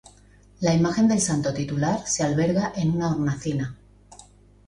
La imagen del santo titular se alberga en una hornacina.